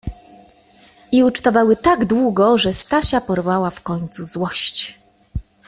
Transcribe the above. I ucztowały tak długo, że Stasia porwała w końcu złość.